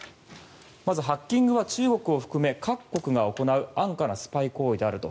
まずハッキングは中国を含め各国が行う安価なスパイ行為であると。